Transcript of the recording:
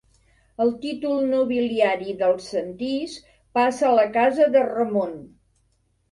El títol nobiliari dels Sentís passà a la casa de Ramon.